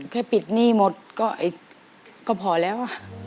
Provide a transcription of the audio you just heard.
แค่ปิดหนี้หมดก็พอแล้ว